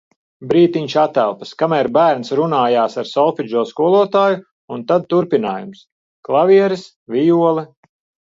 Brītiņš atelpas, kamēr bērns runājās ar solfedžo skolotāju, un tad turpinājums - klavieres, vijole...